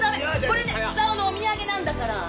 これね久男のお土産なんだから！